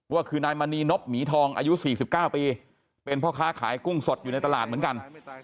ว่าคือนายมณีนบหมีทองอายุ๔๙ปีเป็นพ่อค้าขายกุ้งสดอยู่ในตลาดเหมือนกัน